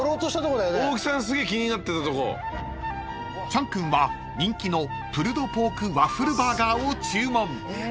［チャン君は人気のプルドポークワッフルバーガーを注文］